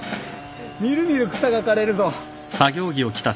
見る見る草が刈れるぞ！